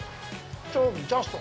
ジャスト。